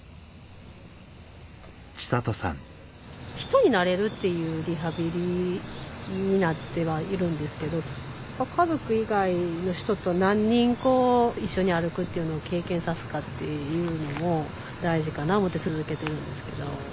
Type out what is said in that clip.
人に慣れるっていうリハビリになってはいるんですけど家族以外の人と何人こう一緒に歩くっていうのを経験さすかっていうのも大事かな思うて続けてるんですけど。